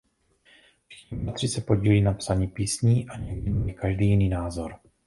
Všichni bratři se podílí na psaní písní a někdy mají každý jiný názor.